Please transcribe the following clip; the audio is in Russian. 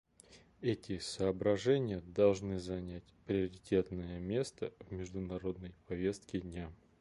Эти соображения должны занять приоритетное место в международной повестке дня.